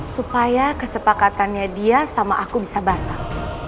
supaya kesepakatannya dia sama aku bisa batal